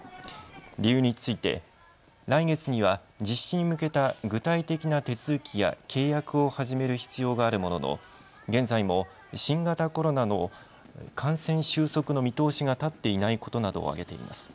理由について来月には実施に向けた具体的な手続きや契約を始める必要があるものの現在も新型コロナの感染収束の見通しが立っていないことなどを挙げています。